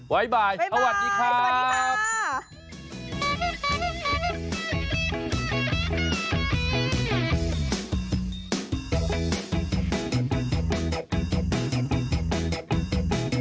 บ๊ายบายสวัสดีค่ะ